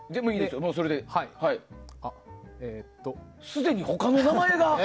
すでに他の名前が。